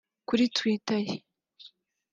Kuri twitter ye